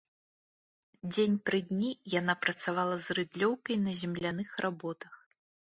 Дзень пры дні яна працавала з рыдлёўкай на земляных работах.